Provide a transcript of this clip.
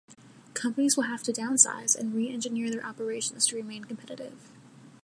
Companies will have to downsize and re-engineer their operations to remain competitive.